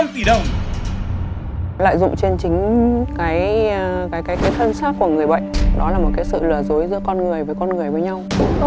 trong nhiều vài hóa trang khác nhau